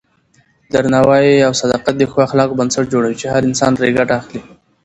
درناوی او صداقت د ښو اخلاقو بنسټ جوړوي چې هر انسان پرې ګټه اخلي.